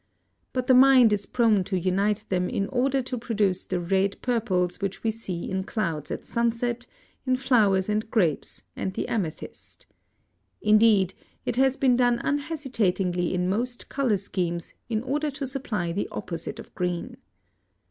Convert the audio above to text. But the mind is prone to unite them in order to produce the red purples which we see in clouds at sunset, in flowers and grapes and the amethyst. Indeed, it has been done unhesitatingly in most color schemes in order to supply the opposite of green.